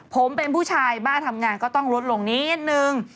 ผมเป็นผู้ชายบ้าทำงานก็ต้องลดลงนิดนึง